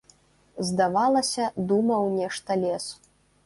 Здавалася, думаў нешта лес.